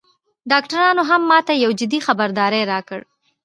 ډاکترانو هم ماته یو جدي خبرداری راکړ